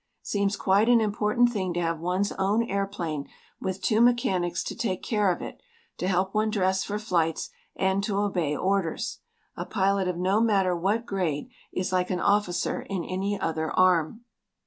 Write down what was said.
Seems quite an important thing to have one's own airplane with two mechanics to take care of it, to help one dress for flights, and to obey orders. A pilot of no matter what grade is like an officer in any other arm.